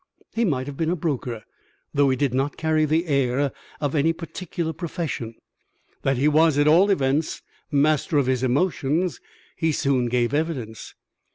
He might have been a broker, though he did not carry the air of any particular profession. That he was, at all events, master of his emotions he soon gave evidence.